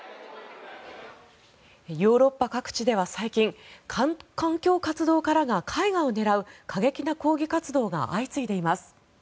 ヨーロッパ各地では最近環境活動家らが絵画を狙う過激な抗議活動が相次いでいます。